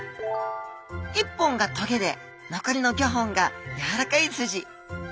１本が棘で残りの５本がやわらかいスジ。